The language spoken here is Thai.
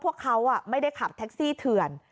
พวกเขาไม่ได้ขับแท็กซี่เถื่อน